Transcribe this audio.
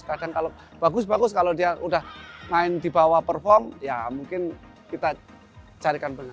kadang kalau bagus bagus kalau dia udah main di bawah perform ya mungkin kita carikan benar